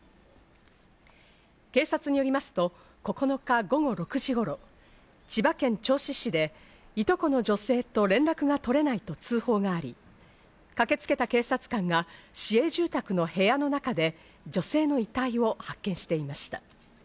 警察によりますと、９日午後６時頃、千葉県銚子市で、いとこの女性と連絡が取れないと通報があり、駆けつけた警察官が市営住宅の部屋の中で女性の遺体を発見していました。